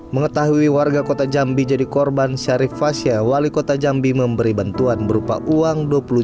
mengetahui warga kota jambi jadi korban syarif fasyah wali kota jambi memberi bantuan berupa uang dua puluh juta rupiah